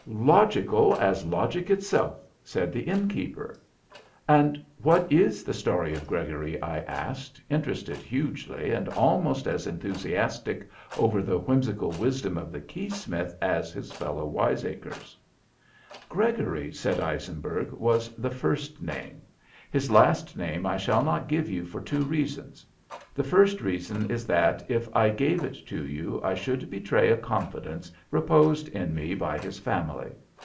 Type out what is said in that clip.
"Logical as logic itself!" said the innkeeper. "And what is the story of Gregory?" I asked, interested hugely and almost as enthusiastic over the whimsical wisdom of the keysmith as his fellow wiseacres. "Gregory," said Eisenberg, "was the first name. His last name I shall not give you for two reasons. The first reason is that, if I gave it to you, I should betray a confidence reposed in me by his family.